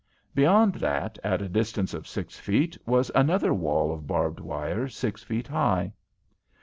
Beyond that, at a distance of six feet was another wall of barbed wire six feet high.